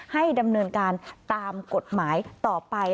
ให้ดำเนินการตามกฎหมายต่อไป